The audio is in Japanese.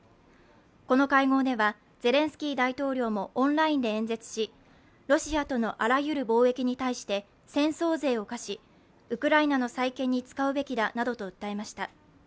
この会合ではゼレンスキー大統領もオンラインで演説し、ロシアとのあらゆる貿易に対して戦争税を課しウクライナの再建に使うべきだなどと訴えました。